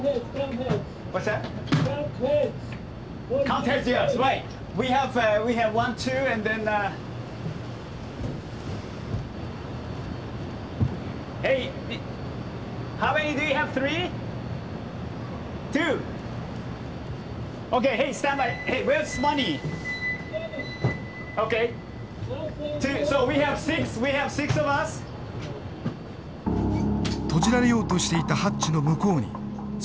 閉じられようとしていたハッチの向こうにスワンソンがいた。